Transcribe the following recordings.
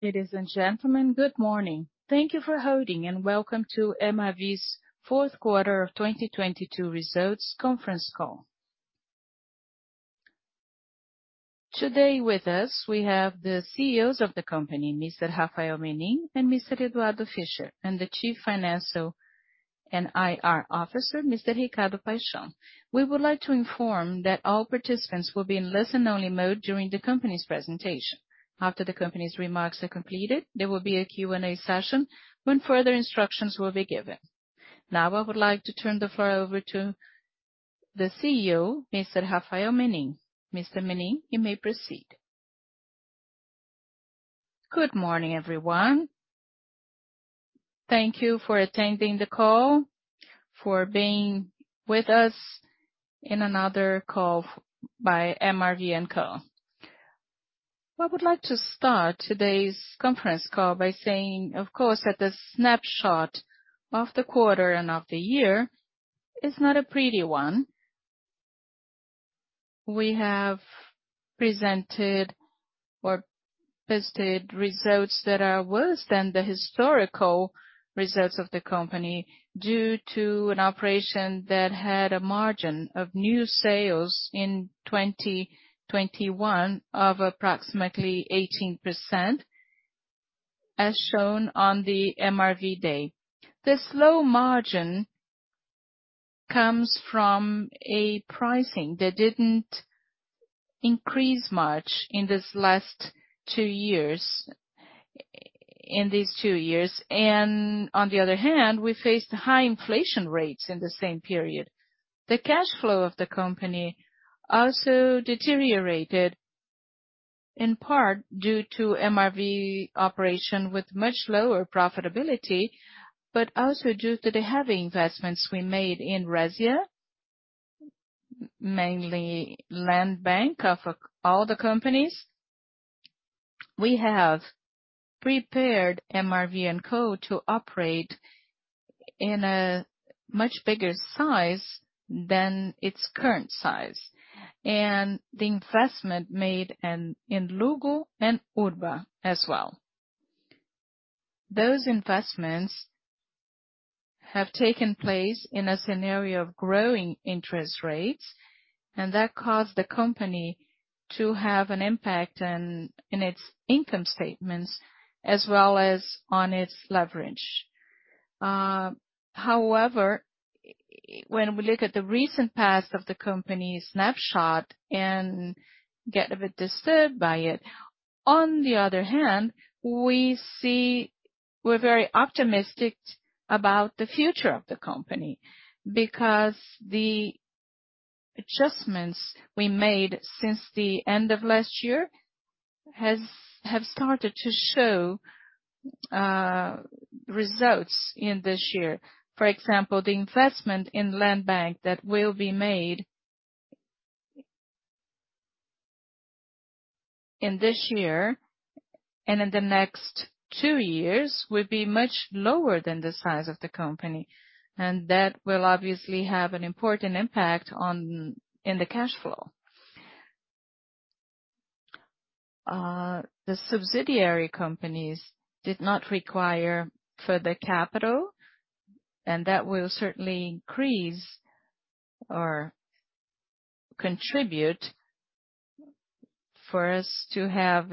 Ladies and gentlemen, good morning. Thank you for holding, and welcome to MRV's fourth quarter of 2022 results conference call. Today with us, we have the CEOs of the company, Mr. Rafael Menin and Mr. Eduardo Fischer. The Chief Financial and IR Officer, Mr. Ricardo Paixão. We would like to inform that all participants will be in listen only mode during the company's presentation. After the company's remarks are completed, there will be a Q&A session when further instructions will be given. Now, I would like to turn the floor over to the CEO, Mr. Rafael Menin. Mr. Menin, you may proceed. Good morning, everyone. Thank you for attending the call, for being with us in another call by MRV&Co. I would like to start today's conference call by saying, of course, that the snapshot of the quarter and of the year is not a pretty one. We have presented or posted results that are worse than the historical results of the company due to an operation that had a margin of new sales in 2021 of approximately 18%, as shown on the MRV Day. This low margin comes from a pricing that didn't increase much in this last 2 years, in these 2 years. On the other hand, we faced high inflation rates in the same period. The cash flow of the company also deteriorated, in part, due to MRV operation with much lower profitability, but also due to the heavy investments we made in Resia, mainly land bank of all the companies. We have prepared MRV&Co. to operate in a much bigger size than its current size. The investment made in Luggo and Urba as well. Those investments have taken place in a scenario of growing interest rates, that caused the company to have an impact in its income statements as well as on its leverage. However, when we look at the recent past of the company's snapshot and get a bit disturbed by it, on the other hand, we see we're very optimistic about the future of the company because the adjustments we made since the end of last year have started to show results in this year. For example, the investment in land bank that will be made in this year and in the next 2 years will be much lower than the size of the company. That will obviously have an important impact in the cash flow. The subsidiary companies did not require further capital, that will certainly increase or contribute for us to have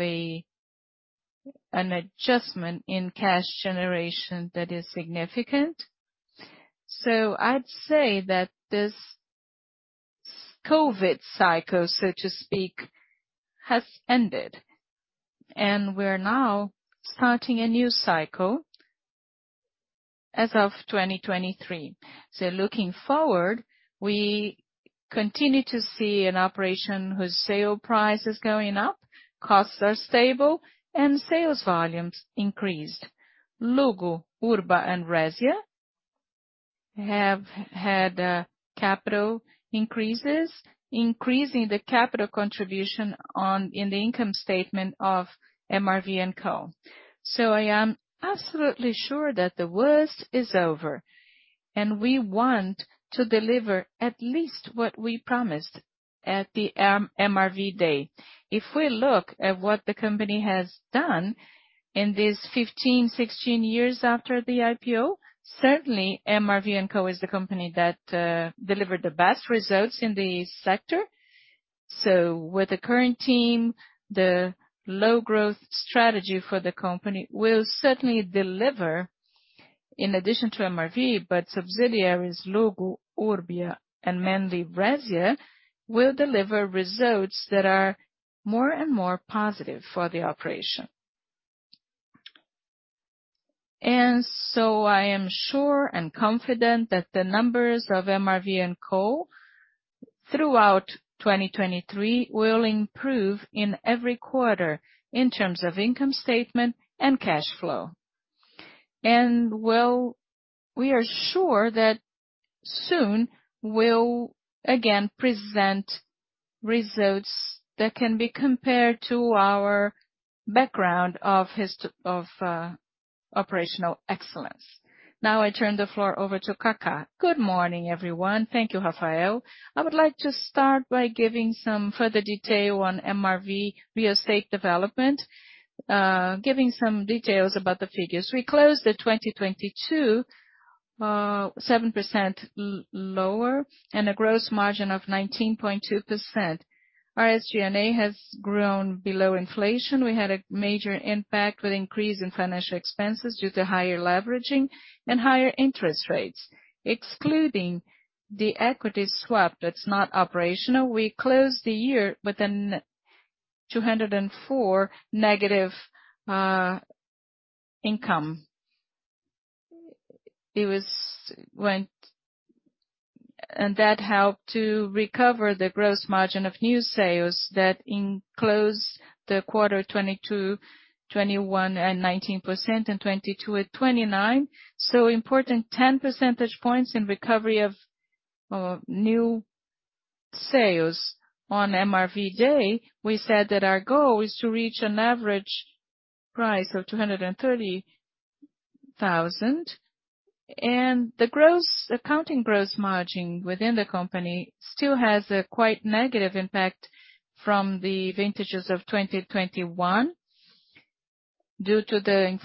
an adjustment in cash generation that is significant. I'd say that this COVID cycle, so to speak, has ended, we're now starting a new cycle as of 2023. Looking forward, we coninue to see an operation whose sale price is going up, costs are stable, sales volu mes increased. Luggo, Urba, and Resia have had capital increases, increasing the capital contribution in the income statement of MRV&Co. I am absolutely sure that the worst is over, we want to deliver at least what we promised at the MRV Day. If we look at what the company has done in these 15, 16 years after the IPO, certainly MRV&Co is the company that delivered the best results in the sector. With the current team, the low growth strategy for the company will certainly deliver in addition to MRV, but subsidiaries Luggo, Urba, and mainly Resia will deliver results that are more and more positive for the operation. I am sure and confident that the numbers of MRV&Co throughout 2023 will improve in every quarter in terms of income statement and cash flow. Well, we are sure that soon we'll again present results that can be compared to our background of operational excellence. Now I turn the floor over to Cacá. Good morning, everyone. Thank you, Rafael. I would like to start by giving some further detail on MRV real estate development, giving some details about the figures. We closed 2022, 7% lower and a gross margin of 19.2%. Our SG&A has grown below inflation. We had a major impact with increase in financial expenses due to higher leveraging and higher interest rates. Excluding the equity swap that's not operational, we closed the year within BRL 204 negative income. That helped to recover the gross margin of new sales that enclosed the quarter 22, 21 and 19% and 22 at 29%. Important 10 percentage points in recovery of new sales. On MRV Day, we said that our goal is to reach an average price of 230,000. The accounting gross margin within the company still has a quite negative impact from the vintages of 2021 due to the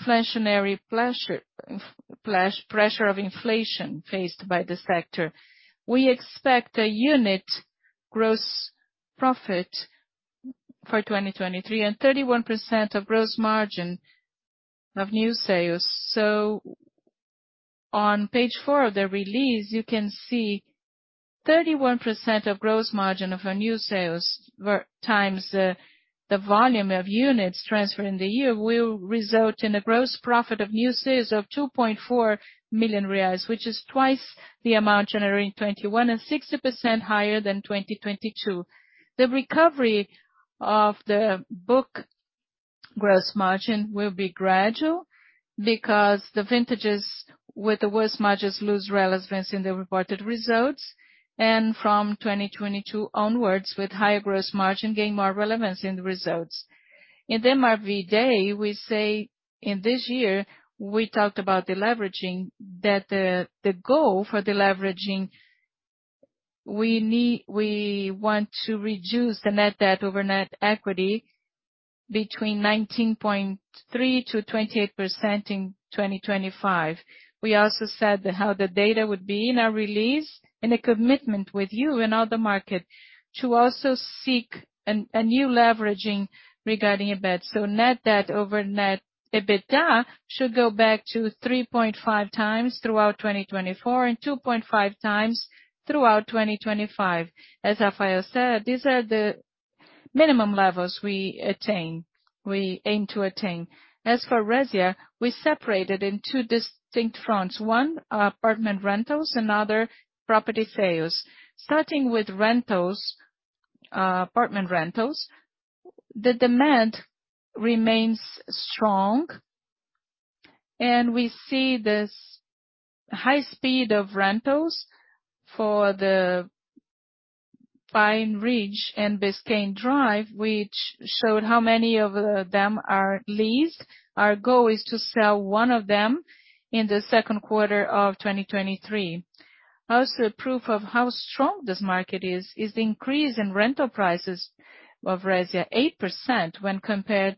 pressure of inflation faced by the sector. We expect a unit gross profit for 2023 and 31% of gross margin of new sales. On page four of the release, you can see 31% of gross margin of our new sales times the volume of units transferred in the year will result in a gross profit of new sales of 2.4 million reais, which is twice the amount generated in 2021 and 60% higher than 2022. The recovery of the book gross margin will be gradual because the vintages with the worst margins lose relevance in the reported results, and from 2022 onwards, with higher gross margin gain more relevance in the results. In the MRV Day, we say in this year, we talked about the leveraging, that the goal for the leveraging we want to reduce the net debt over net equity between 19.3%-28% in 2025. We also said how the data would be in our release and a commitment with you in all the market to also seek a new leveraging regarding EBITDA. Net debt over net EBITDA should go back to 3.5x throughout 2024 and 2.5x throughout 2025. As Rafael said, these are the minimum levels we aim to attain. As for Resia, we separated in two distinct fronts. One, apartment rentals, another, property sales. Starting with rentals, apartment rentals, the demand remains strong, and we see this high speed of rentals for the Pine Ridge and Biscayne Drive, which showed how many of them are leased. Our goal is to sell one of them in the second quarter of 2023. Proof of how strong this market is the increase in rental prices of Resia, 8% when compared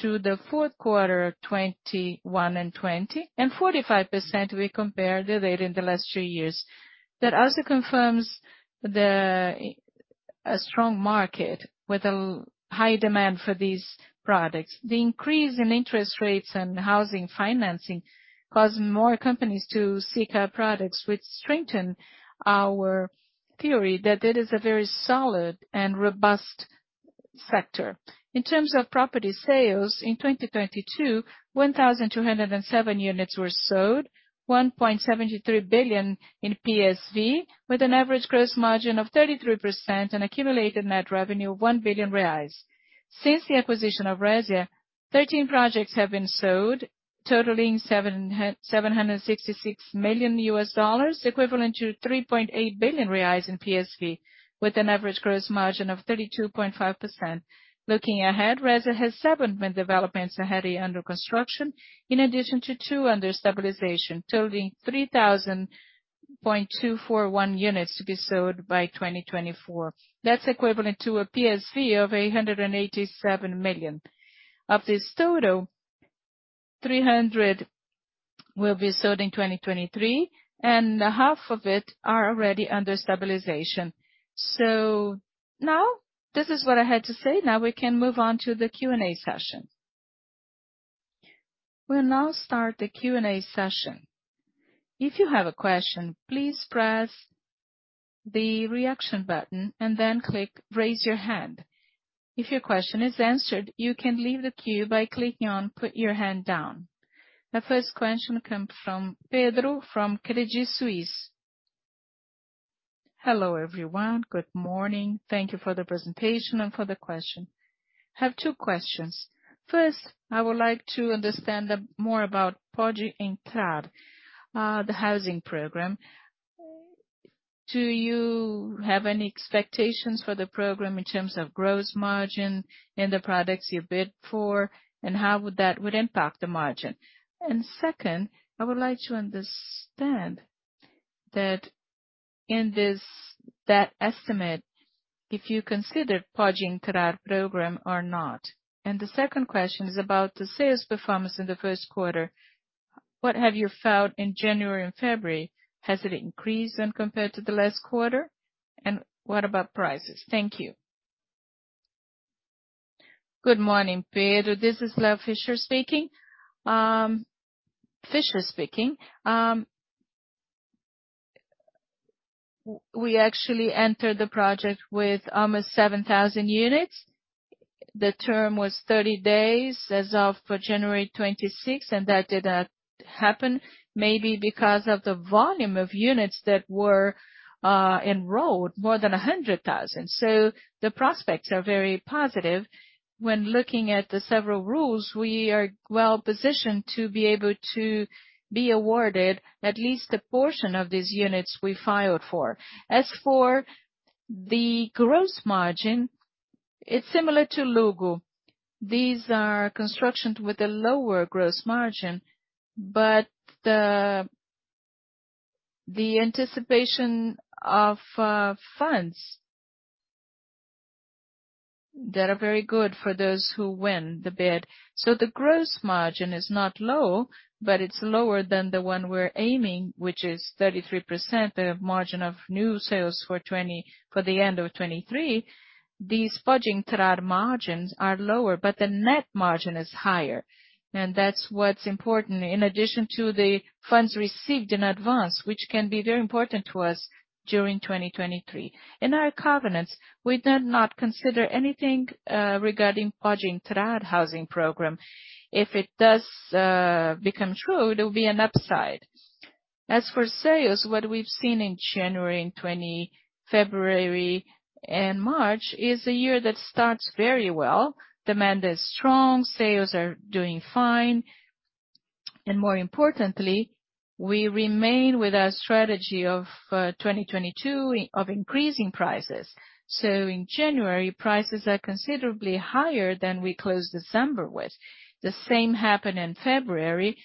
to the fourth quarter 2021 and 2020, and 45% we compare the data in the last two years. Also confirms a strong market with a high demand for these products. The increase in interest rates and housing financing cause more companies to seek our products, which strengthen our theory that it is a very solid and robust sector. In terms of property sales in 2022, 1,207 units were sold, 1.73 billion in PSV with an average gross margin of 33% and accumulated net revenue of 1 billion reais. Since the acquisition of Resia, 13 projects have been sold, totaling $766 million, equivalent to 3.8 billion reais in PSV, with an average gross margin of 32.5%. Looking ahead, Resia has seven main developments ahead under construction, in addition to two under stabilization, totaling 3,241 units to be sold by 2024. That's to a PSV of 887 million. Of this total, 300 will be sold in 2023, and half of it are already under stabilization. Now this is what I had to say. Now we can move on to the Q&A session. We'll now start the Q&A session. If you have a question, please press the reaction button and then click Raise Your Hand. If your question is answered, you can leave the queue by clicking on Put Your Hand Down. The first question come from Pedro, from Credit Suisse. Hello, everyone. Good morning. Thank you for the presentation and for the question. I have two questions. First, I would like to understand more about Pode Entrar, the housing program. Do you have any expectations for the program in terms of gross margin and the products you bid for, and how would that would impact the margin? Second, I would like to understand that estimate, if you consider Pode Entrar program or not. The second question is about the sales performance in the first quarter. What have you found in January and February? Has it increased when compared to the last quarter? What about prices? Thank you. Good morning, Pedro. This is Eduardo Fischer speaking. We actually entered the project with almost 7,000 units. The term was 30 days as of for January 26th, and that did not happen maybe because of the volume of units that were enrolled, more than 100,000. The prospects are very positive. When looking at the several rules, we are well-positioned to be able to be awarded at least a portion of these units we filed for. As for the gross margin, it's similar to Luggo. These are constructions with a lower gross margin. The anticipation of funds that are very good for those who win the bid. The gross margin is not low, but it's lower than the one we're aiming, which is 33%, the margin of new sales for the end of 2023. These Pode Entrar margins are lower, but the net margin is higher. That's what's important. In addition to the funds received in advance, which can be very important to us during 2023. In our cove nants, we did not consider anything regarding Pode Entrar housing program. If it does become true, there will be an upside. For sales, what we've seen in January and February and March is a year that starts very well. Demand is strong, sales are doing fine. More importantly, we remain with our strategy of 2022 of increasing prices. In January, prices are considerably higher than we closed December with. The same happened in February.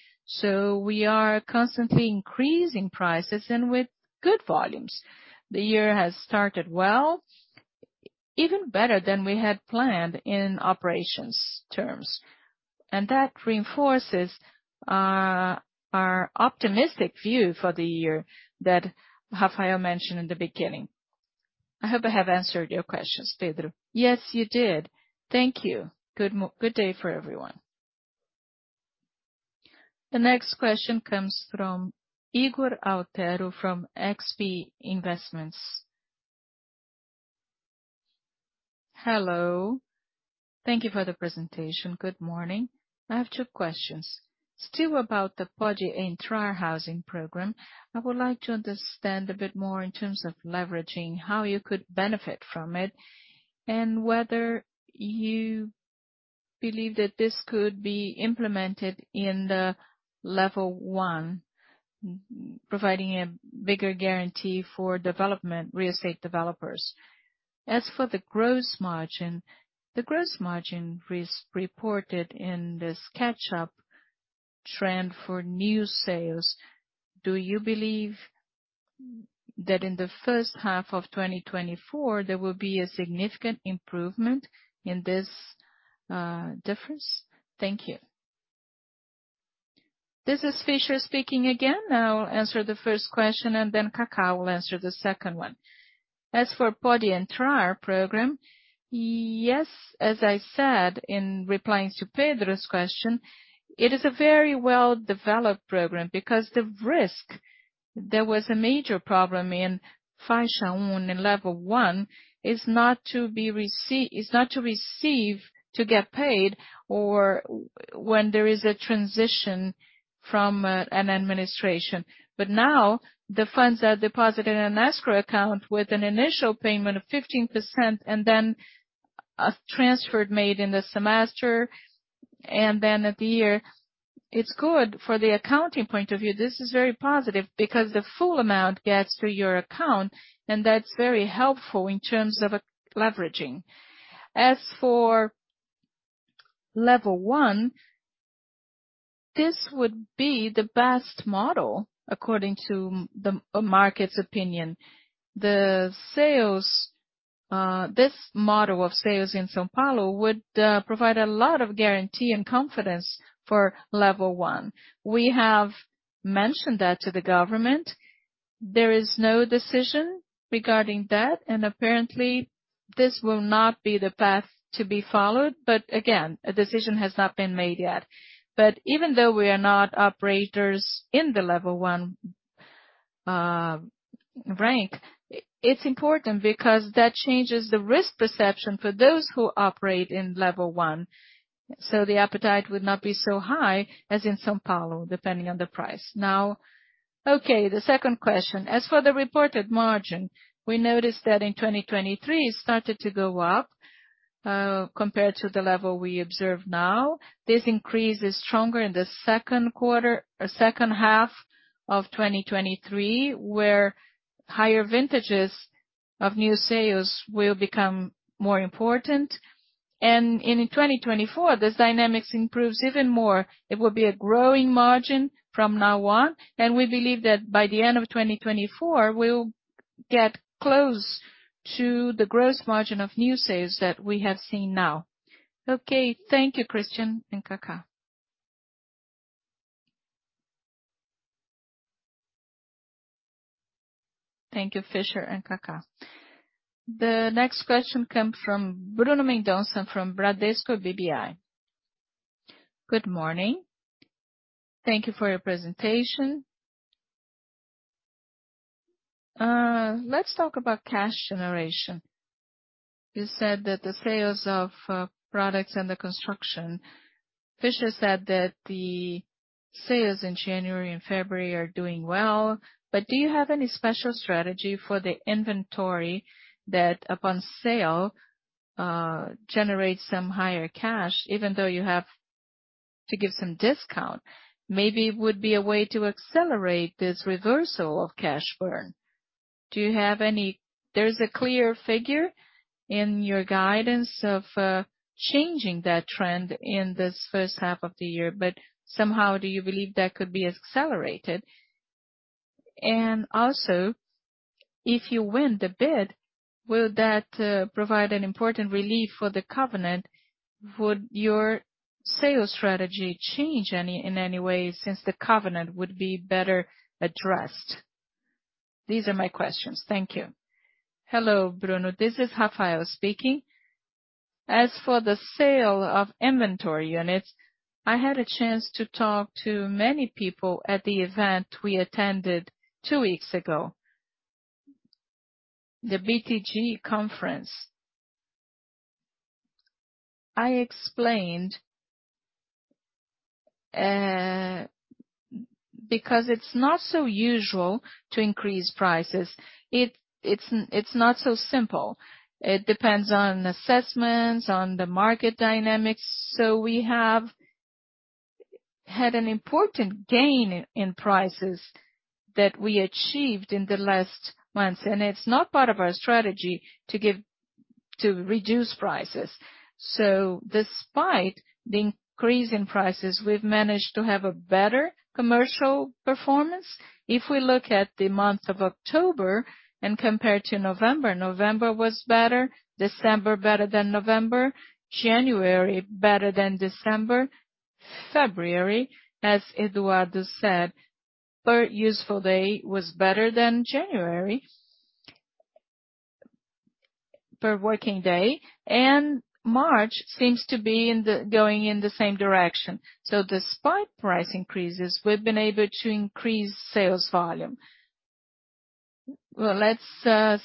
We are constantly increasing prices and with good volumes. The year has started well, even better than we had planned in operations terms. That reinforces our optimistic view for the year that Rafael mentioned in the beginning. I hope I have answered your questions, Pedro. Yes, you did. Thank you. Good day for everyone. The next question comes from Ygor Altero from XP Investments. Hello. Thank you for the presentation. Good morning. I have 2 questions. Still about the Pode Entrar housing program, I would like to understand a bit more in terms of leveraging, how you could benefit from it, and whether you believe that this could be implemented in the level one, providing a bigger guarantee for development, real estate developers. As for the gross margin, the gross margin reported in this catch-up trend for new sales, do you believe that in the first half of 2024, there will be a significant improvement in this difference? Thank you. This is Fischer speaking again. I'll answer the first question, then Cacau will answer the second one. As for Pode Entrar program, yes, as I said in replying to Pedro's question, it is a very well-developed program because the risk, there was a major problem in Faixa 1, in level one, is not to receive to get paid or when there is a transition from an administration. Now the funds are deposited in an escrow account with an initial payment of 15% then a transfer made in the semester then at the year. It's good for the accounting point of view. This is very positive because the full amount gets to your account. That's very helpful in terms of leveraging. As for level one, this would be the best model according to the market's opinion. The sales, this model of sales in São Paulo would provide a lot of guarantee and confidence for level one. We have mentioned that to the government. There is no decision regarding that, and apparently this will not be the path to be followed. Again, a decision has not been made yet. Even though we are not operators in the level one rank, it's important because that changes the risk perception for those who operate in level one. The appetite would not be so high as in São Paulo, depending on the price. Okay, the second question. As for the reported margin, we noticed that in 2023, it started to go up. Compared to the level we observe now, this increase is stronger in the second half of 2023, where higher vintages of new sales will become more important. In 2024, this dynamics improves even more. It will be a growing margin from now on, and we believe that by the end of 2024, we'll get close to the gross margin of new sales that we have seen now. Okay. Thank you, Christian and Cacá. Thank you, Fischer and Cacá. The next question come from Bruno Mendonça from Bradesco BBI. Good morning. Thank you for your presentation. Let's talk about cash generation. You said that the sales of products under construction. Fisher said that the sales in January and February are doing well, but do you have any special strategy for the inventory that upon sale generates some higher cash, even though you have to give some discount? Maybe would be a way to accelerate this reversal of cash burn. Do you have any? There's a clear figure in your guidance of changing that trend in this first half of the year, but somehow, do you believe that could be accelerated? Also, if you win the bid, will that provide an important relief for the covenant? Would your sales strategy change any, in any way, since the covenant would be better addressed? These are my questions. Thank you. Hello, Bruno. This is Rafael speaking. As for the sale of inventory units, I had a chance to talk to many people at the event we attended two weeks ago, the BTG conference. I explained, because it's not so usual to increase prices, it's not so simple. It depends on assessments, on the market dynamics. We have had an important gain in prices that we achieved in the last months, and it's not part of our strategy to reduce prices. Despite the increase in prices, we've managed to have a better commercial performance. If we look at the month of October and compare to November was better. December better than November. January better than December. February, as Eduardo said, per useful day was better than January, per working day. March seems to be going in the same direction. Despite price increases, we've been able to increase sales volume. Well, let's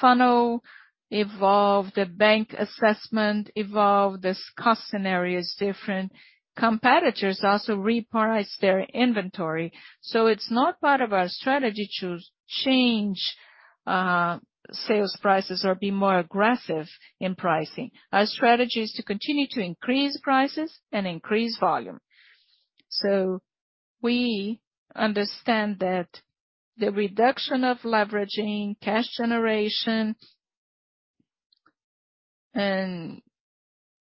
funnel evolve, the bank assessment evolve, this cost scenario is different. Competitors also reprice their inventory. It's not part of our strategy to change sales prices or be more aggressive in pricing. Our strategy is to continue to increase prices and increase volume. We understand that the reduction of leveraging cash generation and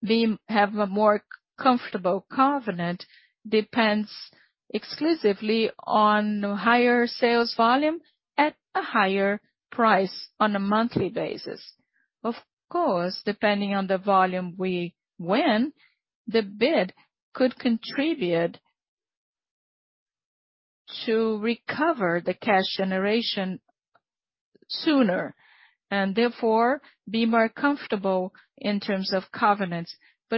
we have a more comfortable covenant depends exclusively on higher sales volume at a higher price on a monthly basis. Of course, depending on the volume we win, the bid could contribute to recover the cash generation sooner, and therefore, be more comfortable in terms of covenants.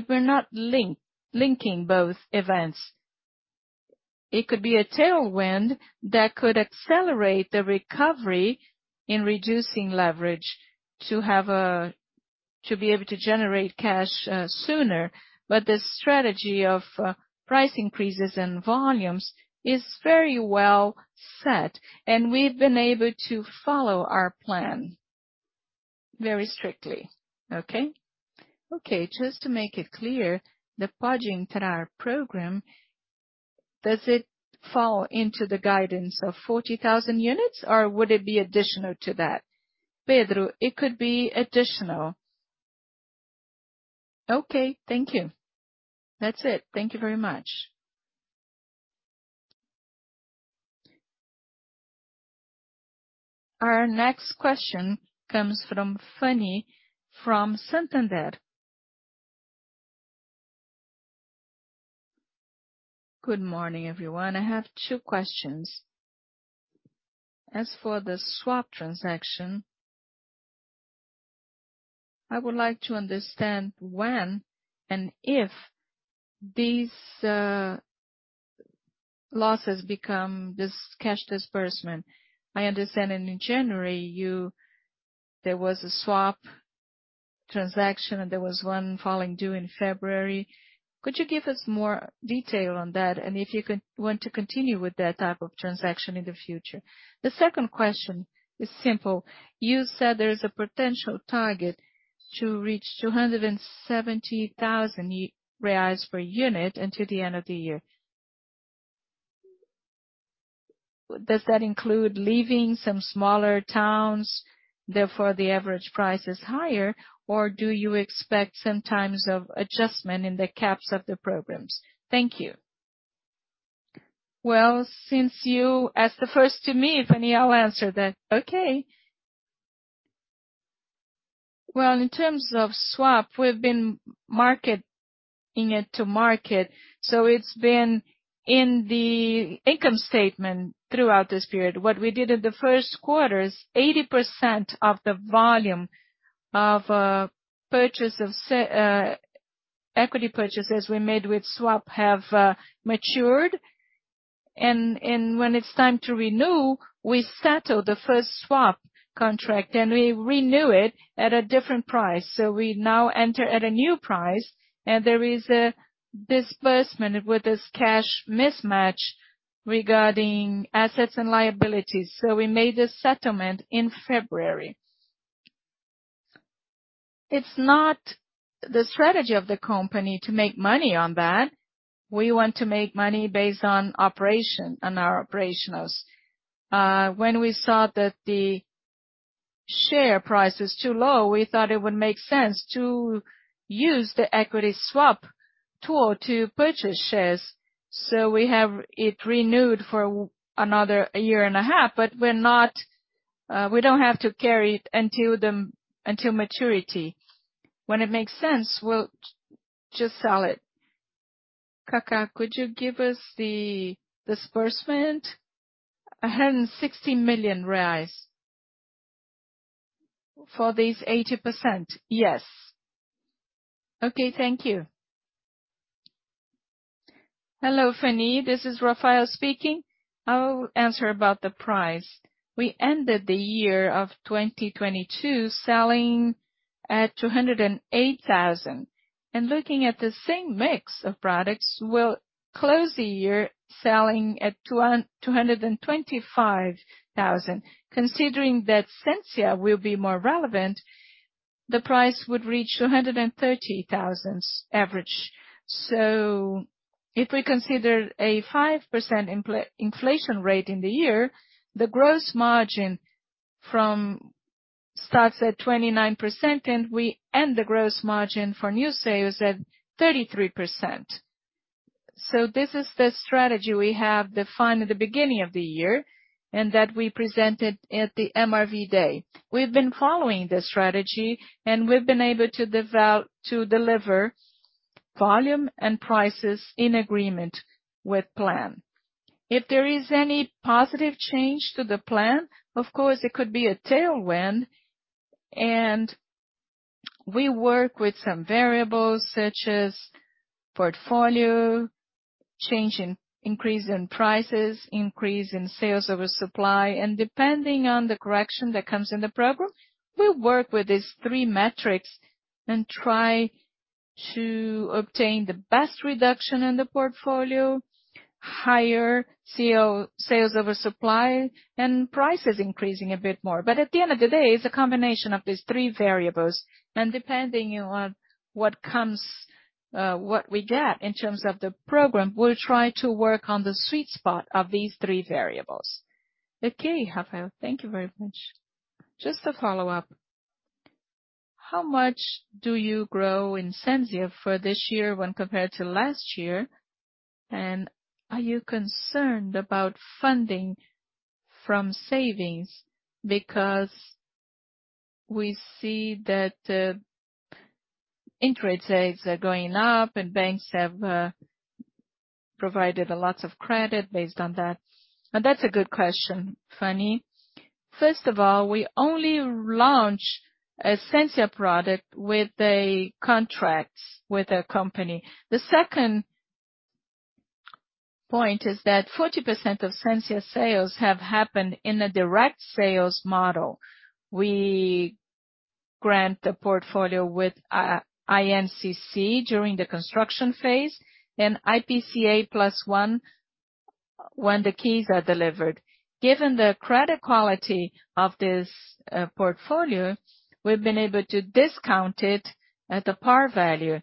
We're not linking both events. It could be a tailwind that could accelerate the recovery in reducing leverage to be able to generate cash sooner. The strategy of price increases and volumes is very well set, and we've been able to follow our plan very strictly. Okay? Okay. Just to make it clear, the Pode Entrar program, does it fall into the guidance of 40,000 units, or would it be additional to that? Pedro, it could be additional. Okay, thank you. That's it. Thank you very much. Our next question comes from Fanny from Santander. Good morning, everyone. I have 2 questions. As for the swap transaction, I would like to understand when and if these losses become this cash disbursement. I understand in January there was a swap transaction, and there was one falling due in February. Could you give us more detail on that, and if you want to continue with that type of transaction in the future? The second question is simple. You said there is a potential target to reach 270,000 reais per unit until the end of the year. Does that include leaving some smaller towns, therefore the average price is higher? Or do you expect some times of adjustment in the caps of the programs? Thank you. Well, since you asked the first to me, Fanny, I'll answer that. Okay. Well, in terms of swap, we've been marketing it to market, so it's been in the income statement throughout this period. What we did in the first quarter is 80% of the volume of purchase of equity purchases we made with swap have matured. When it's time to renew, we settle the first swap contract and we renew it at a different price. We now enter at a new price, and there is a disbursement with this cash mismatch regarding assets and liabilities. We made this settlement in February. It's not the strategy of the company to make money on that. We want to make money based on operation and our operationals. When we saw that the share price is too low, we thought it would make sense to use the equity swap tool to purchase shares. We have it renewed for another year and a half, but we're not, we don't have to carry it until maturity. When it makes sense, we'll just sell it. Kaká, could you give us the disbursement? BRL 160 million. For this 80%? Yes. Okay, thank you. Hello, Fanny. This is Rafael speaking. I'll answer about the price. We ended the year of 2022 selling at 208,000. Looking at the same mix of products, we'll close the year selling at 225,000. Considering that Sensia will be more relevant, the price would reach 230,000 average. If we consider a 5% inflation rate in the year, the gross margin from starts at 29% and we end the gross margin for new sales at 33%. This is the strategy we have defined at the beginning of the year, and that we presented at the MRV Day. We've been following the strategy, and we've been able to deliver volume and prices in agreement with plan. If there is any positive change to the plan, of course, it could be a tailwind, and we work with some variables such as portfolio, change in increase in prices, increase in sales over supply. Depending on the correction that comes in the program, we work with these 3 metrics and try to obtain the best reduction in the portfolio, higher sale, sales over supply, and prices increasing a bit more. At the end of the day, it's a combination of these 3 variables. Depending on what comes, what we get in terms of the program, we'll try to work on the sweet spot of these 3 variables. Okay, Rafael, thank you very much. Just a follow-up. How much do you grow in Sensia for this year when compared to last year? Are you concerned about funding from savings? We see that interest rates are going up and banks have provided a lot of credit based on that. That's a good question, Fanny. First of all, we only launch a Sensia product with a contract with a company. The second point is that 40% of Sensia sales have happened in a direct sales model. We grant the portfolio with INCC during the construction phase and IPCA plus 1 when the keys are delivered. Given the credit quality of this portfolio, we've been able to discount it at the par value.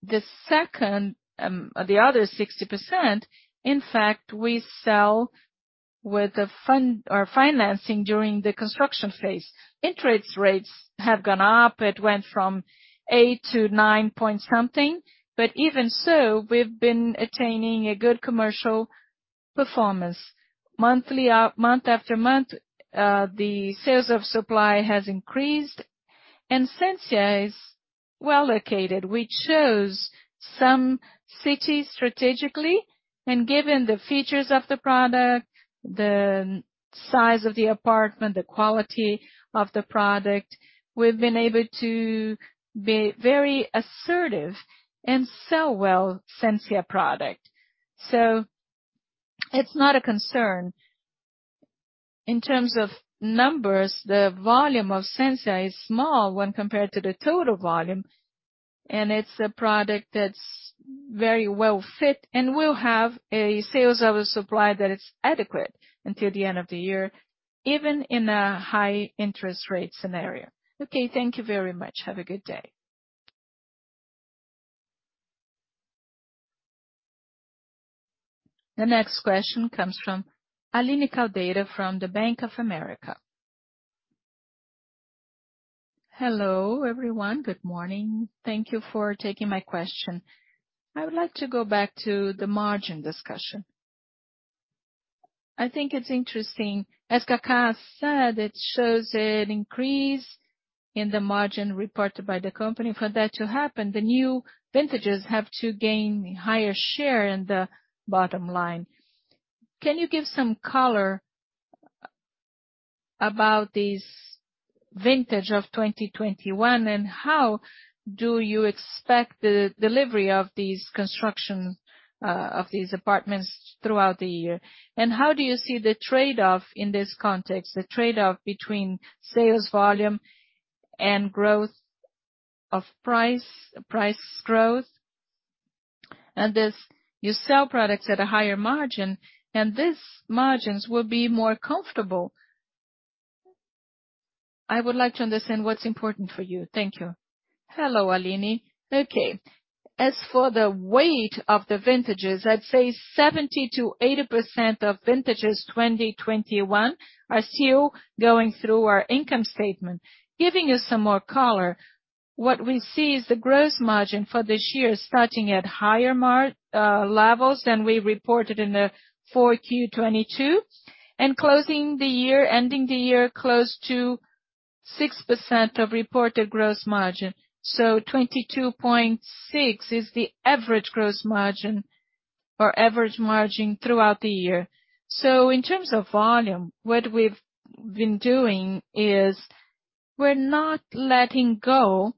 The second, the other 60%, in fact, we sell with the financing during the construction phase. Interest rates have gone up. It went from 8 to 9-point-something. Even so, we've been attaining a good commercial performance. Monthly, month after month, the sales of supply has increased. Sensia is well located. We chose some cities strategically, and given the features of the product, the size of the apartment, the quality of the product, we've been able to be very assertive and sell well Sensia product. It's not a concern. In terms of numbers, the volume of Sensia is small when compared to the total volume. It's a product that's very well fit, and we'll have a sales oversupply that is adequate until the end of the year, even in a high interest rate scenario. Okay, thank you very much. Have a good day. The next question comes from Aline Caldeira from the Bank of America. Hello, everyone. Good morning. Thank you for taking my question. I would like to go back to the margin discussion. I think it's interesting. As Cacá said, it shows an increase in the margin reported by the company. For that to happen, the new vintages have to gain higher share in the bottom line. Can you give some color about this vintage of 2021, and how do you expect the delivery of these construction of these apartments throughout the year? How do you see the trade-off in this context, the trade-off between sales volume and growth of price growth? This, you sell products at a higher margin, and these margins will be more comfortable. I would like to understand what's important for you. Thank you. Hello, Aline. Okay. As for the weight of the vintages, I'd say 70%-80% of vintages 2021 are still going through our income statement. Giving you some more color, what we see is the gross margin for this year starting at higher levels than we reported in the 4Q22, and closing the year, ending the year close to 6% of reported gross margin. 22.6 is the average gross margin or average margin throughout the year. In terms of volume, what we've been doing is we're not letting go.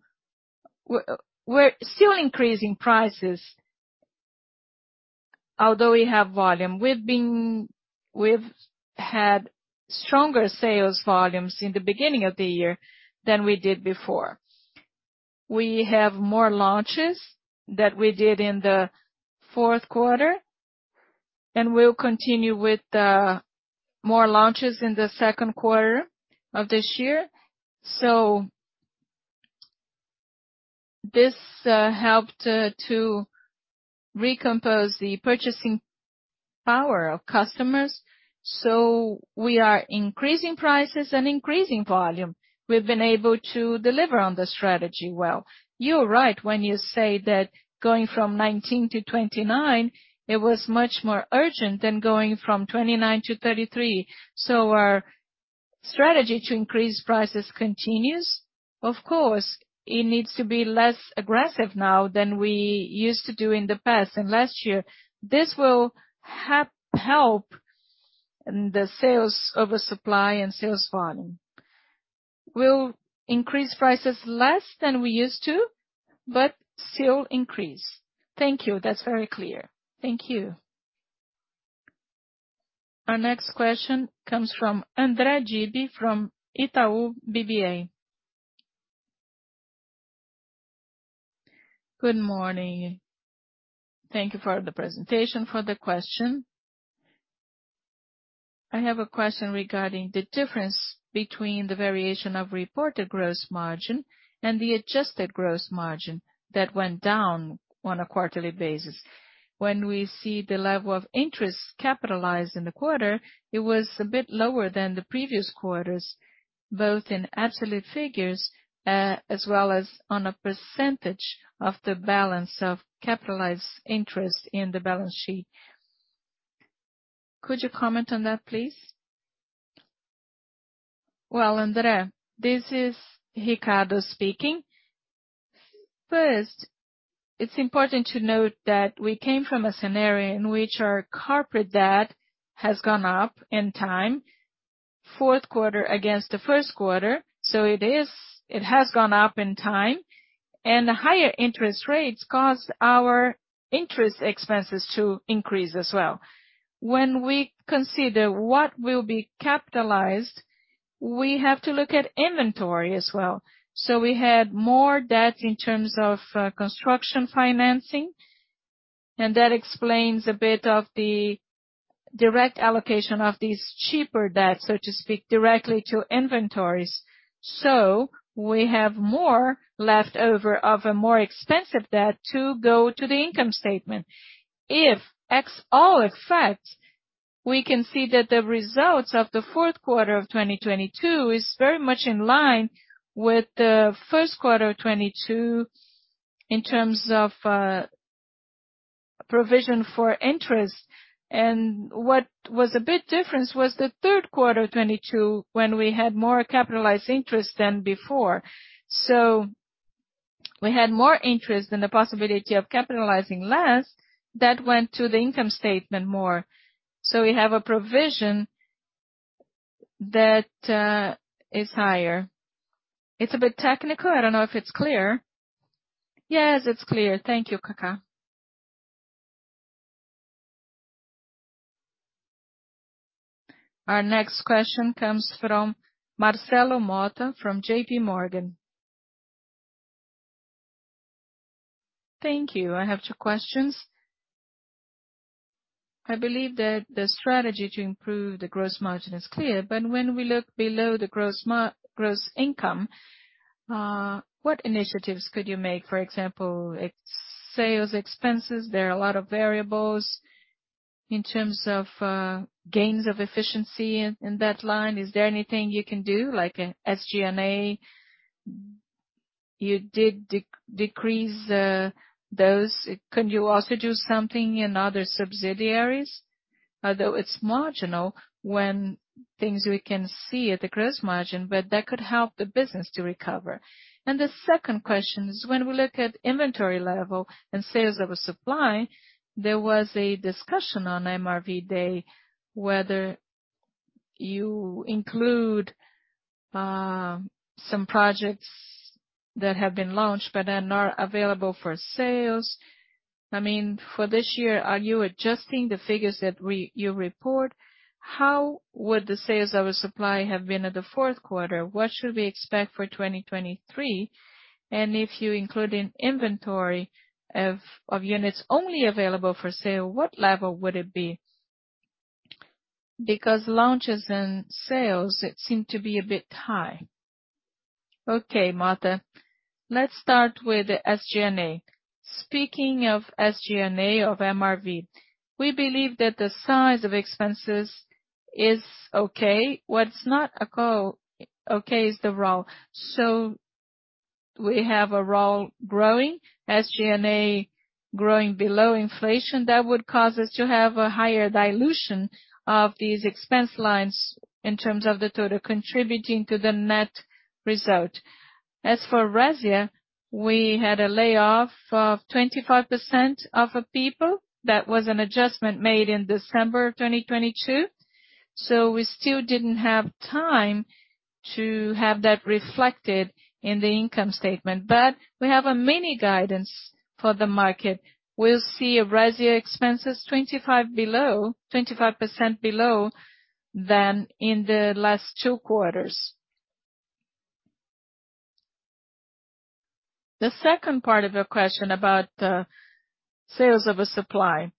We're still increasing prices, although we have volume. We've had stronger sales volumes in the beginning of the year than we did before. We have more launches that we did in the fourth quarter, and we'll continue with more launches in the second quarter of this year. This helped to recompose the purchasing power of customers. We are increasing prices and increasing volume. We've been able to deliver on the strategy well. You're right when you say that going from 19 to 29, it was much more urgent than going from 29 to 33. Our strategy to increase prices continues. Of course, it needs to be less aggressive now than we used to do in the past and last year. This will help in the sales oversupply and sales volume. We'll increase prices less than we used to, but still increase. Thank you. That's very clear. Thank you. Our next question comes from André Dibe from Itaú BBA. Good morning. Thank you for the presentation, for the question. I have a question regarding the difference between the variation of reported gross margin and the adjusted gross margin that went down on a quarterly basis. When we see the level of interest capitalized in the quarter, it was a bit lower than the previous quarters, both in absolute figures, as well as on a percentage of the balance of capitalized interest in the balance sheet. Could you comment on that, please? André, this is Ricardo speaking. First, it's important to note that we came from a scenario in which our corporate debt has gone up in time, 4th quarter against the 1st quarter. It has gone up in time. The higher interest rates caused our interest expenses to increase as well. When we consider what will be capitalized, we have to look at inventory as well. We had more debt in terms of construction financing, and that explains a bit of the direct allocation of these cheaper debts, so to speak, directly to inventories. We have more left over of a more expensive debt to go to the income statement. If ex all effect, we can see that the results of the fourth quarter of 2022 is very much in line with the first quarter of 2022 in terms of provision for interest. What was a bit difference was the third quarter of 2022 when we had more capitalized interest than before. We had more interest than the possibility of capitalizing less that went to the income statement more. We have a provision that is higher. It's a bit technical. I don't know if it's clear. Yes, it's clear. Thank you, Cacá. Our next question comes from Marcelo Motta from JP Morgan. Thank you. I have two questions. I believe that the strategy to improve the gross margin is clear, but when we look below the gross income, what initiatives could you make? For example, sales expenses, there are a lot of variables in terms of gains of efficiency in that line. Is there anything you can do, like an SG&A? You did decrease those. Could you also do something in other subsidiaries? Although it's marginal when things we can see at the gross margin, but that could help the business to recover. The second question is when we look at inventory level and sales that were supply, there was a discussion on MRV Day, whether you include some projects that have been launched but are not available for sales. I mean, for this year, are you adjusting the figures that you report? How would the sales of a supply have been at the fourth quarter? What should we expect for 2023? If you include an inventory of units only available for sale, what level would it be? Launches and sales, it seem to be a bit high. Okay, Mota, let's start with the SG&A. Speaking of SG&A of MRV, we believe that the size of expenses is okay. What's not okay is the role. We have a role growing, SG&A growing below inflation that would cause us to have a higher dilution of these expense lines in terms of the total contributing to the net result. As for Resia, we had a layoff of 25% of a people. That was an adjustment made in December 2022. We still didn't have time to have that reflected in the income statement. We have a mini guidance for the market. We'll see Resia expenses 25% below than in the last 2 quarters. The second part of your question about sales of a supply.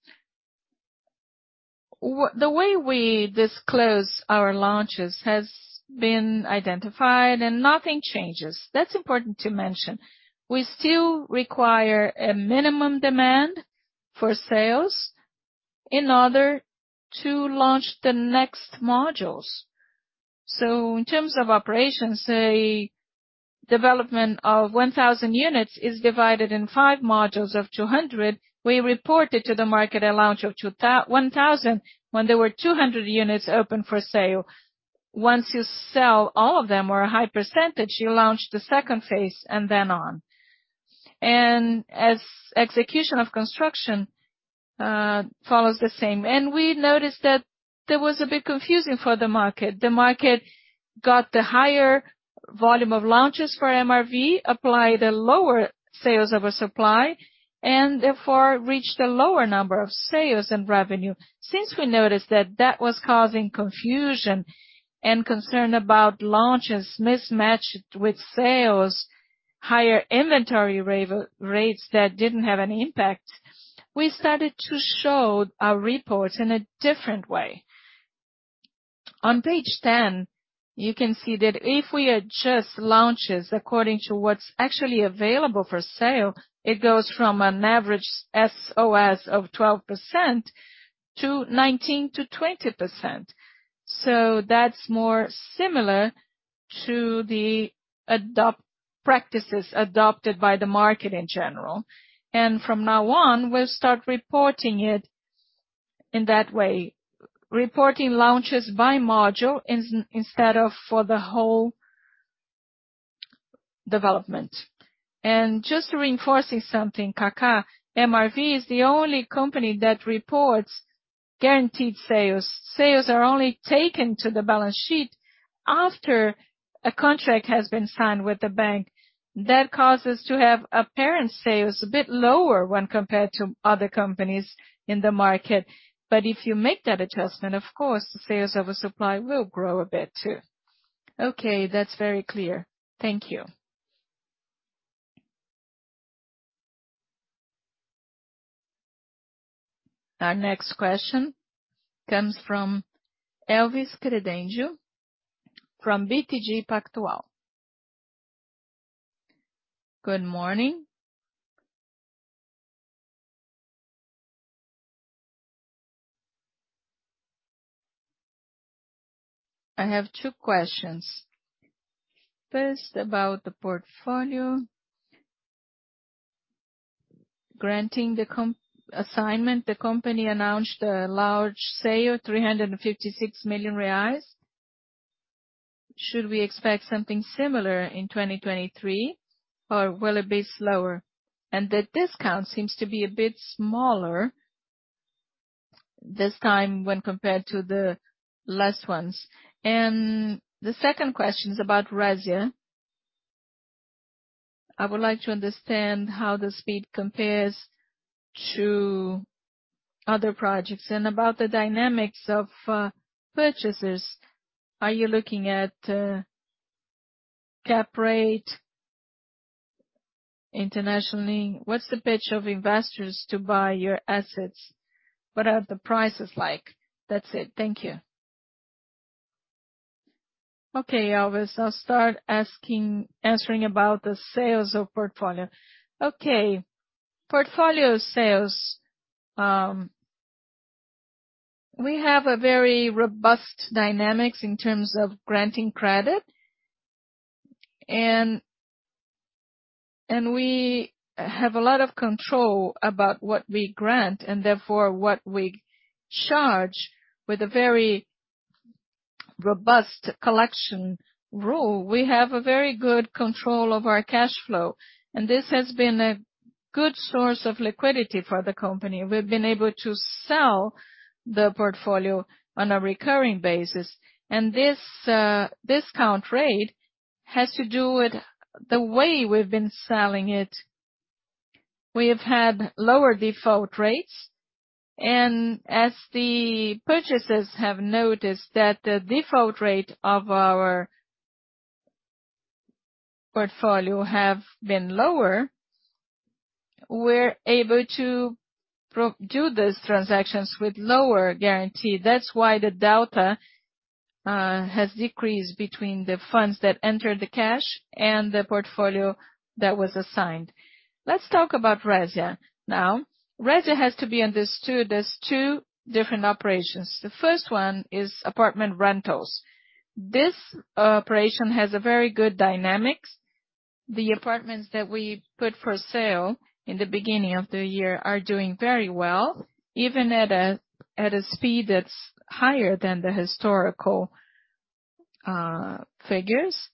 The way we disclose our launches has been identified and nothing changes. That's important to mention. We still require a minimum demand for sales in order to launch the next modules. In terms of operations, a development of 1,000 units is divided in 5 modules of 200. We reported to the market a launch of 1,000 when there were 200 units open for sale. Once you sell all of them or a high percentage, you launch the second phase and then on. As execution of construction follows the same. We noticed that there was a bit confusing for the market. The market got the higher volume of launches for MRV, applied a lower sales of a supply, and therefore, reached a lower number of sales and revenue. Since we noticed that that was causing confusion and concern about launches mismatched with sales, higher inventory rates that didn't have any impact, we started to show our reports in a different way. On page 10, you can see that if we adjust launches according to what's actually available for sale, it goes from an average SOS of 12% to 19%-20%. That's more similar to the practices adopted by the market in general. From now on, we'll start reporting it in that way. Reporting launches by module instead of for the whole development. Just reinforcing something, Cacá, MRV is the only company that reports guaranteed sales. Sales are only taken to the balance sheet after a contract has been signed with the bank. That causes to have apparent sales a bit lower when compared to other companies in the market. If you make that adjustment, of course, the sales of a supply will grow a bit too. Okay, that's very clear. Thank you. Our next question comes from Elvis Credendio from BTG Pactual. Good morning. I have two questions. First, about the portfolio. Granting the assignment, the company announced a large sale, 356 million reais. Should we expect something similar in 2023 or will it be slower? The discount seems to be a bit smaller this time when compared to the last ones. The second question is about Resia. I would like to understand how the speed compares to other projects and about the dynamics of purchases. Are you looking at cap rate internationally? What's the pitch of investors to buy your assets? What are the prices like? That's it. Thank you. Okay, Elvis, I'll start answering about the sales of portfolio. Okay. Portfolio sales. We have a very robust dynamics in terms of granting credit. We have a lot of control about what we grant and therefore what we charge with a very robust collection rule. We have a very good control over our cash flow, and this has been a good source of liquidity for the company. We've been able to sell the portfolio on a recurring basis. This discount rate has to do with the way we've been selling it. We have had lower default rates. As the purchasers have noticed that the default rate of our portfolio have been lower, we're able to do these transactions with lower guarantee. That's why the delta has decreased between the funds that entered the cash and the portfolio that was assigned. Let's talk about Resia now. Resia has to be understood as two different operations. The first one is apartment rentals. This operation has a very good dynamics. The apartments that we put for sale in the beginning of the year are doing very well, even at a speed that's higher than the historical figures.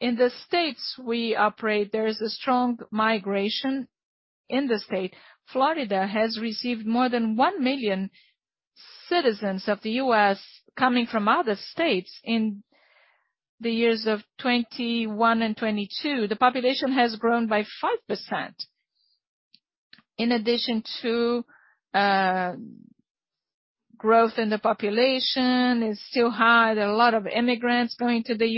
In the states we operate, there is a strong migration in the state. Florida has received more than 1 million citizens of the U.S. coming from other states in the years of 2021 and 2022. The population has grown by 5%. In addition to growth in the population, it's still high. There are a lot of immigrants going to the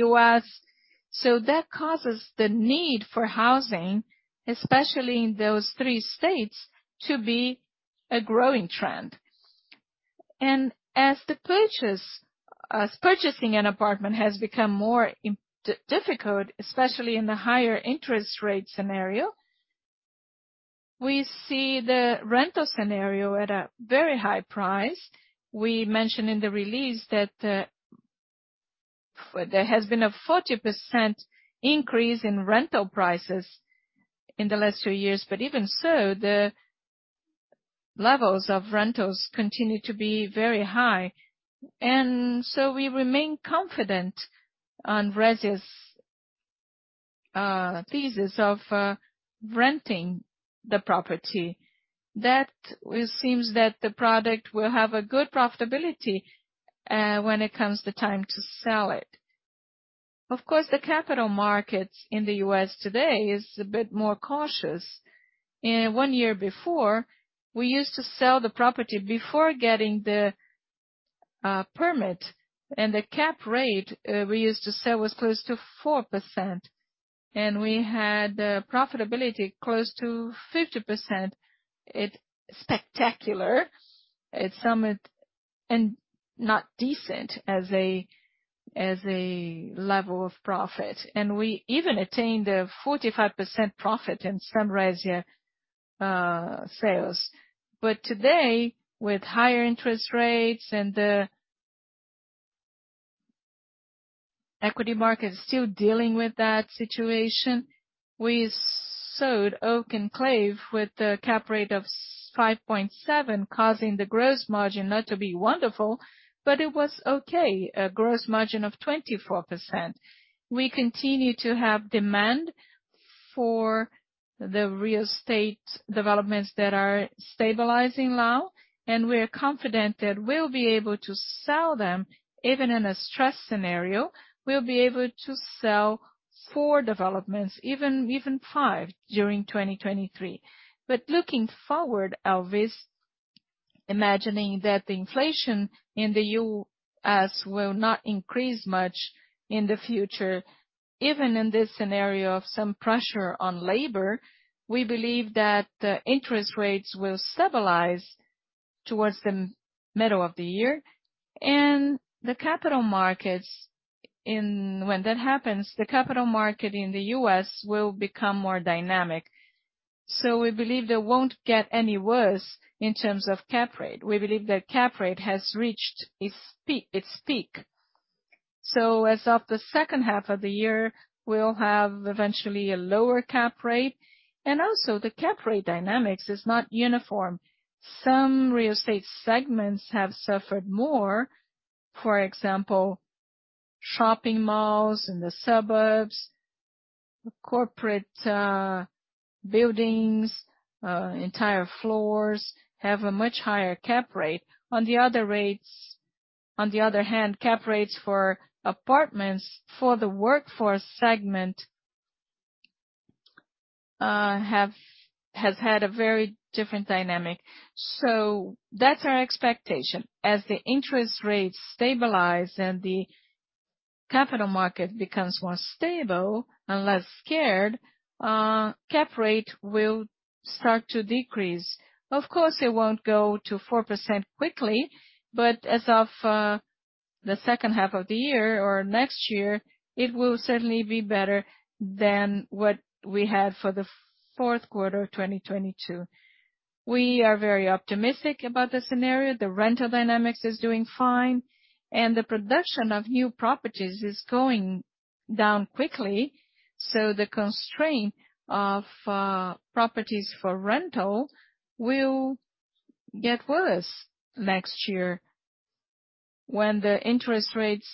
U.S. That causes the need for housing, especially in those three states, to be a growing trend. As the purchasing an apartment has become more difficult, especially in the higher interest rate scenario, we see the rental scenario at a very high price. We mentioned in the release that there has been a 40% increase in rental prices in the last two years, but even so, the levels of rentals continue to be very high. We remain confident on Resia's thesis of renting the property. It seems that the product will have a good profitability when it comes the time to sell it. Of course, the capital markets in the U.S. today is a bit more cautious. One year before, we used to sell the property before getting the permit. The cap rate we used to sell was close to 4%, and we had profitability close to 50%. It's spectacular, not decent as a level of profit. We even attained a 45% profit in some Resia sales. Today, with higher interest rates and the equity market still dealing with that situation, we sold Oak Enclave with a cap rate of 5.7, causing the gross margin not to be wonderful, but it was okay, a gross margin of 24%. We continue to have demand for the real estate developments that are stabilizing now, and we are confident that we'll be able to sell them. Even in a stress scenario, we'll be able to sell 4 developments, even 5 during 2023. Looking forward, Elvis, imagining that the inflation in the U.S. will not increase much in the future, even in this scenario of some pressure on labor, we believe that the interest rates will stabilize towards the middle of the year. When that happens, the capital market in the U.S. will become more dynamic. We believe that won't get any worse in terms of cap rate. We believe that cap rate has reached its peak. As of the second half of the year, we'll have eventually a lower cap rate. Also, the cap rate dynamics is not uniform. Some real estate segments have suffered more. For example, shopping malls in the suburbs-Corporate buildings, entire floors have a much higher cap rate. On the other hand, cap rates for apartments for the workforce segment has had a very different dynamic. That's our expectation. As the interest rates stabilize and the capital market becomes more stable and less scared, cap rate will start to decrease. Of course, it won't go to 4% quickly, but as of the second half of the year or next year, it will certainly be better than what we had for the fourth quarter, 2022. We are very optimistic about the scenario. The rental dynamics is doing fine, and the production of new properties is going down quickly. The constraint of properties for rental will get worse next year. When the interest rates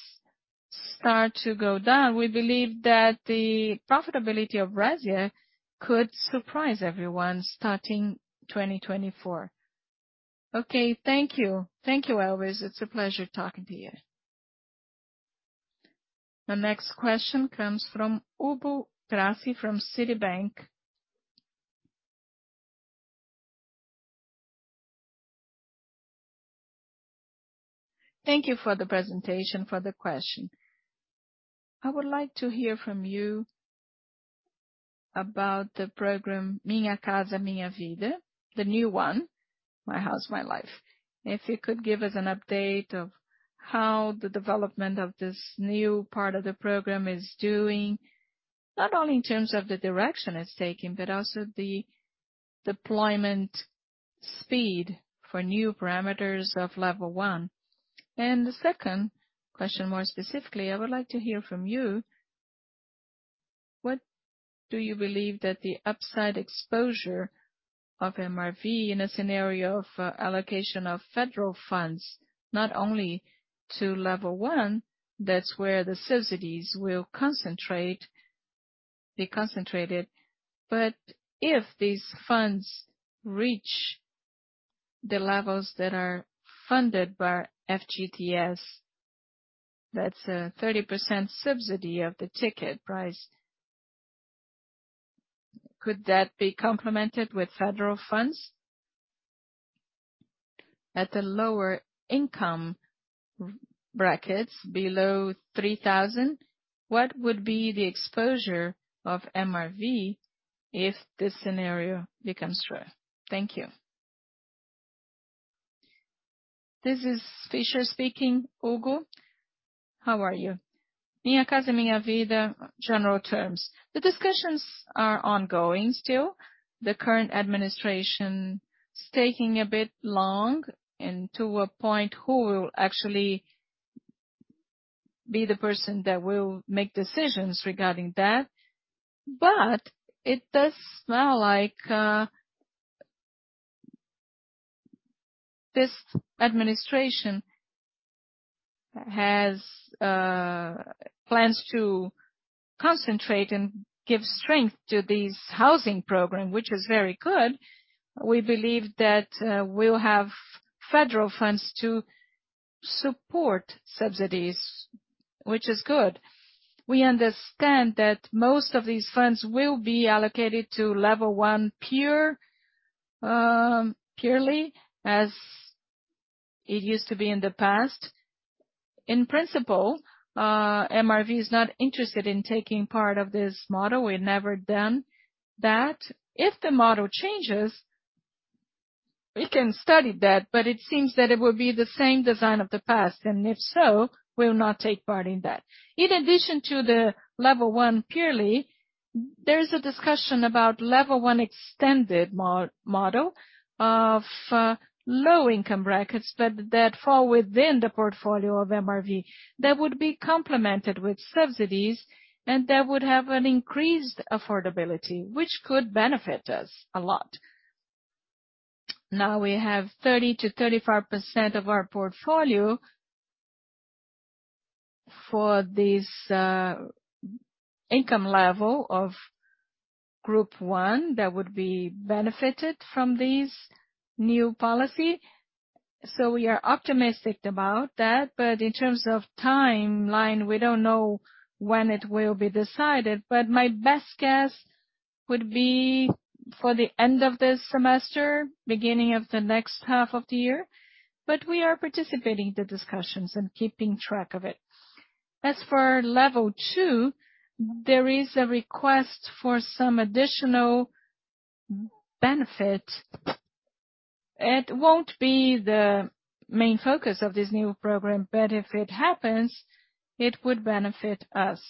start to go down, we believe that the profitability of Brazil could surprise everyone starting 2024. Okay. Thank you. Thank you, Elvis. It's a pleasure talking to you. The next question comes from Hugo Grassi from Citibank. Thank you for the presentation, for the question. I would like to hear from you about the program Minha Casa, Minha Vida, the new one, My House, My Life. If you could give us an update of how the development of this new part of the program is doing, not only in terms of the direction it's taking, but also the deployment speed for new parameters of level one. The second question, more specifically, I would like to hear from you, what do you believe that the upside exposure of MRV in a scenario of allocation of federal funds, not only to level 1, that's where the subsidies will be concentrated. If these funds reach the levels that are funded by FGTS, that's a 30% subsidy of the ticket price. Could that be complemented with federal funds? At the lower income brackets below 3,000, what would be the exposure of MRV if this scenario becomes true? Thank you. This is Fischer speaking. Hugo, how are you? Minha Casa, Minha Vida, general terms. The discussions are ongoing still. The current administration is taking a bit long and to a point who will actually be the person that will make decisions regarding that. It does smell like this administration has plans to concentrate and give strength to this housing program, which is very good. We believe that we'll have federal funds to support subsidies, which is good. We understand that most of these funds will be allocated to level one, purely as it used to be in the past. In principle, MRV is not interested in taking part of this model. We've never done that. If the model changes, we can study that, but it seems that it will be the same design of the past, and if so, we'll not take part in that. In addition to the level one purely, there is a discussion about level one extended model of low income brackets that fall within the portfolio of MRV that would be complemented with subsidies, and that would have an increased affordability, which could benefit us a lot. Now we have 30%-35% of our portfolio for this income level of group 1 that would be benefited from this new policy. We are optimistic about that. In terms of timeline, we don't know when it will be decided. My best guess would be for the end of this semester, beginning of the next half of the year. We are participating the discussions and keeping track of it. As for level two, there is a request for some additional benefit. It won't be the main focus of this new program, but if it happens, it would benefit us.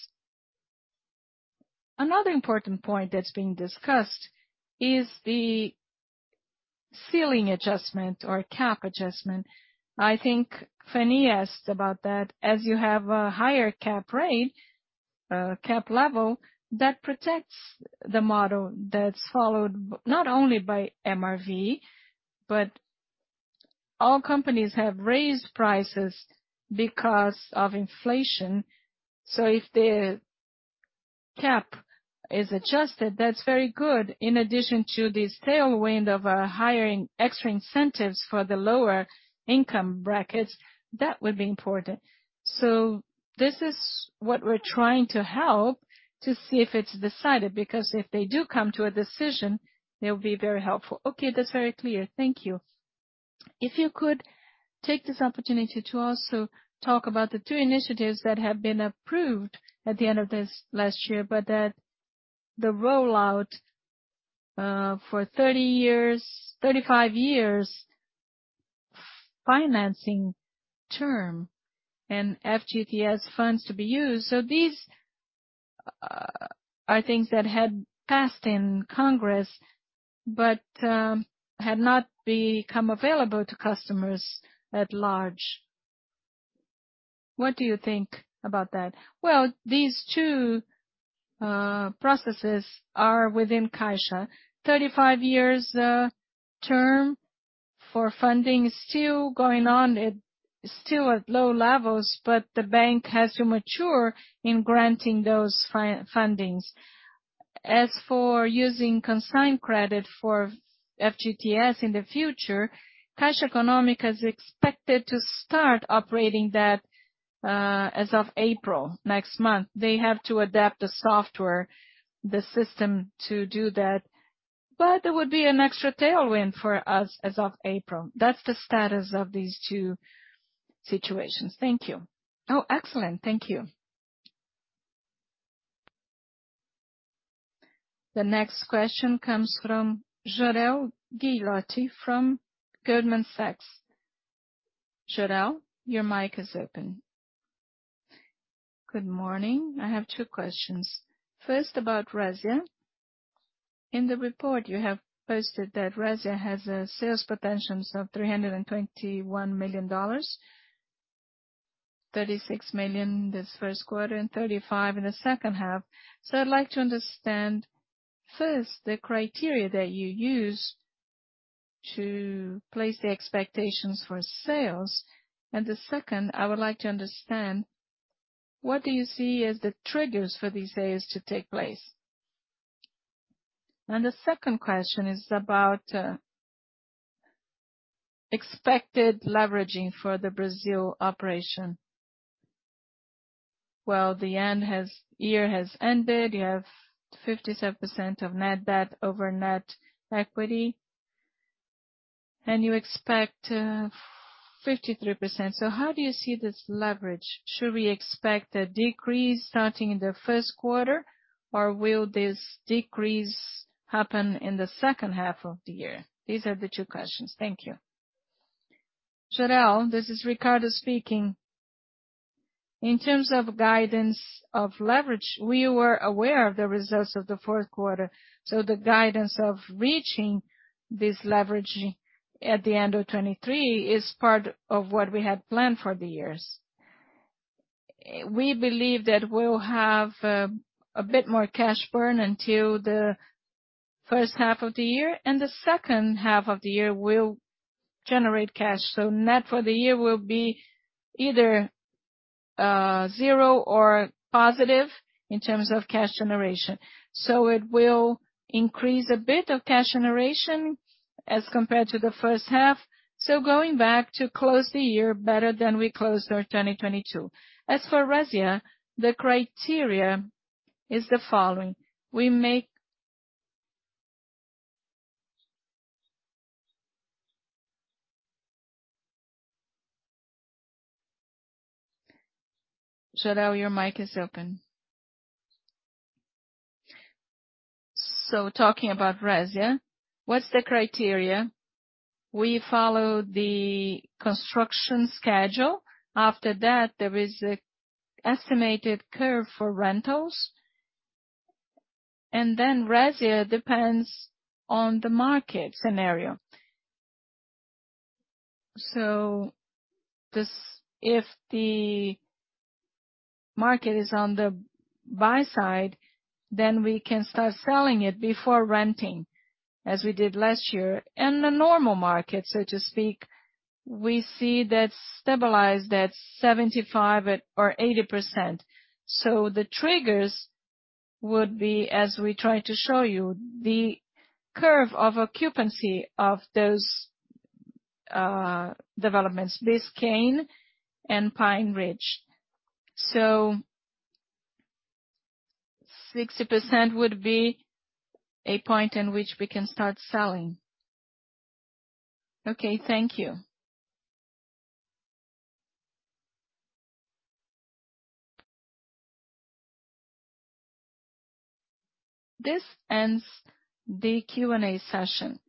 Another important point that's being discussed is the ceiling adjustment or cap adjustment. I think Fanny asked about that. As you have a higher cap rate, cap level, that protects the model that's followed not only by MRV, but all companies have raised prices because of inflation. If the cap is adjusted, that's very good. In addition to this tailwind of hiring extra incentives for the lower income brackets, that would be important. This is what we're trying to help to see if it's decided, because if they do come to a decision, it'll be very helpful. Okay, that's very clear. Thank you. If you could take this opportunity to also talk about the two initiatives that have been approved at the end of this last year, that the rollout for 35 years financing term and FGTS funds to be used. These are things that had passed in Congress but had not become available to customers at large. What do you think about that? Well, these two processes are within Caixa. 35 years term for funding is still going on. It's still at low levels, but the bank has to mature in granting those fundings. As for using consigned credit for FGTS in the future, Caixa Econômica is expected to start operating that as of April next month. They have to adapt the software, the system to do that. There would be an extra tailwind for us as of April. That's the status of these two situations. Thank you. Oh, excellent. Thank you. The next question comes from Jorel Guilloty from Goldman Sachs.Jorel, your mic is open. Good morning. I have two questions. First, about Resia. In the report you have posted that Resia has a sales potential of $321 million, $36 million this first quarter and $35 in the second half. I'd like to understand, first, the criteria that you used to place the expectations for sales. The second, I would like to understand, what do you see as the triggers for these sales to take place? The second question is about expected leveraging for the Brazil operation. The end has-- year has ended. You have 57% of net debt over net equity, and you expect 53%. How do you see this leverage? Should we expect a decrease starting in the first quarter? Will this decrease happen in the second half of the year? These are the two questions. Thank you. Jorel, this is Ricardo speaking. In terms of guidance of leverage, we were aware of the results of the fourth quarter. The guidance of reaching this leverage at the end of 2023 is part of what we had planned for the years. We believe that we'll have a bit more cash burn until the first half of the year, and the second half of the year we'll generate cash. Net for the year will be either zero or positive in terms of cash generation. It will increase a bit of cash generation as compared to the first half. Going back to close the year better than we closed our 2022. As for Resia, the criteria is the following. Jorell, your mic is open. Talking about Resia, what's the criteria? We follow the construction schedule. There is a estimated curve for rentals. Resia depends on the market scenario. If the market is on the buy side, we can start selling it before renting, as we did last year. In the normal market, so to speak, we see that stabilized at 75% at or 80%. The triggers would be, as we try to show you, the curve of occupancy of those developments, this Cane and Pine Ridge. 60% would be a point in which we can start selling. Okay, thank you. This ends the Q&A session.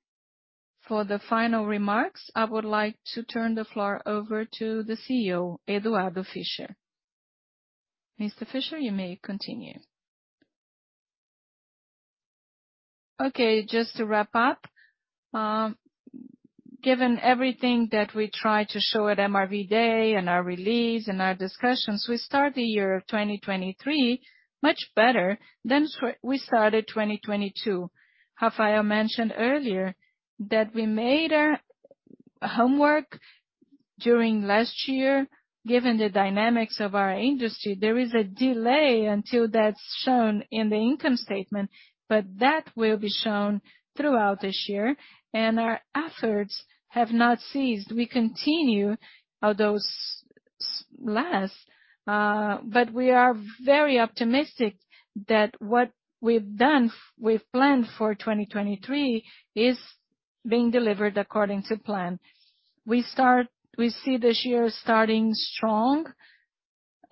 For the final remarks, I would like to turn the floor over to the CEO, Eduardo Fischer. Mr. Fischer, you may continue. Okay, just to wrap up, given everything that we tried to show at MRV Day and our release and our discussions, we start the year 2023 much better than we started 2022. Rafael mentioned earlier that we made a homework during last year, given the dynamics of our industry, there is a delay until that's shown in the income statement, but that will be shown throughout this year. Our efforts have not ceased. We continue those less, but we are very optimistic that what we've planned for 2023 is being delivered according to plan. We see this year starting strong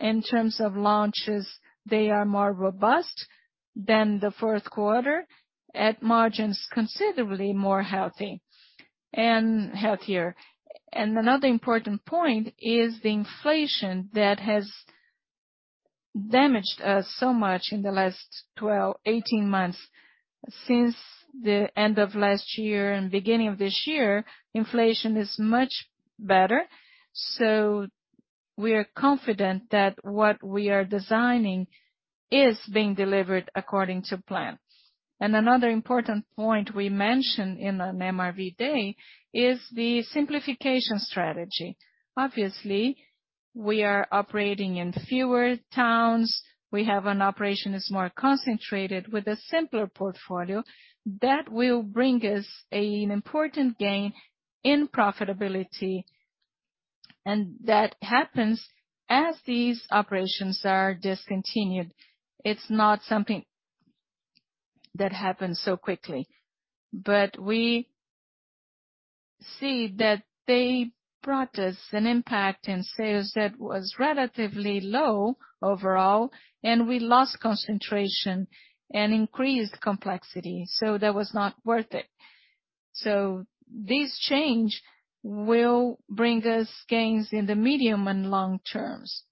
in terms of launches. They are more robust than the fourth quarter at margins considerably more healthy and healthier. Another important point is the inflation that has damaged us so much in the last 12, 18 months. Since the end of last year and beginning of this year, inflation is much better. We are confident that what we are designing is being delivered according to plan. Another important point we mentioned in an MRV Day is the simplification strategy. Obviously, we are operating in fewer towns. We have an operation that's more concentrated with a simpler portfolio that will bring us an important gain in profitability. That happens as these operations are discontinued. It's not something that happens so quickly. We see that they brought us an impact in sales that was relatively low overall, and we lost concentration and increased complexity, so that was not worth it. This change will bring us gains in the medium and long terms.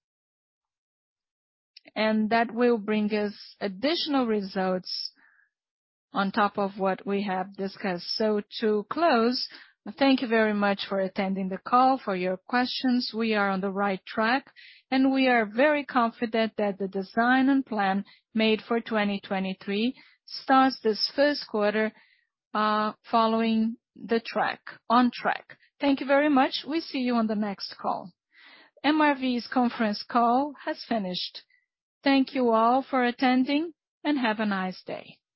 That will bring us additional results on top of what we have discussed. To close, thank you very much for attending the call, for your questions. We are on the right track, and we are very confident that the design and plan made for 2023 starts this 1st quarter, following on track. Thank you very much. We'll see you on the next call. MRV's conference call has finished. Thank you all for attending, and have a nice day.